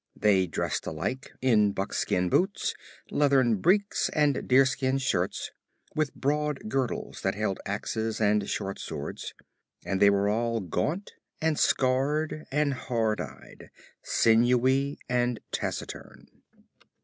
They dressed alike in buckskin boots, leathern breeks and deerskin shirts, with broad girdles that held axes and short swords; and they were all gaunt and scarred and hard eyed; sinewy and taciturn.